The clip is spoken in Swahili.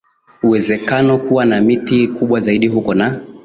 uwezekano kuwa na miti kubwa zaidi huko na